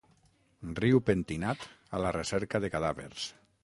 Riu pentinat a la recerca de cadàvers.